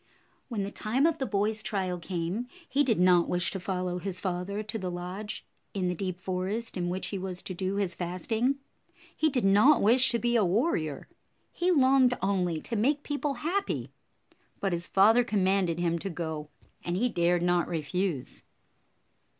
When the time of the boy's trial came, he did not wish to follow his father to the lodge in the deep forest in which he was to do his fasting. He did not wish to be a warrior. He longed only to make people happy. But his father com manded him to go, and he dared not refuse.